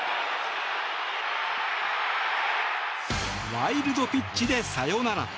ワイルドピッチでサヨナラ！